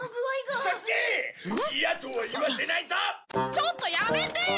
ちょっとやめてよ！